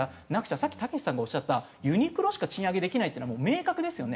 さっきたけしさんがおっしゃったユニクロしか賃上げできないっていうのはもう明確ですよね。